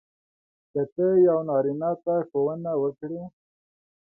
که ته یو نارینه ته ښوونه وکړې.